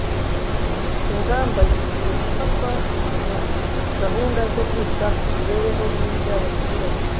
ingamba zikwiye gufatwa mu gahunda zo kwita ku mibereho myiza y abaturage